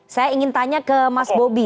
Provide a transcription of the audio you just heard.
saya ingin tanya ke mas bobi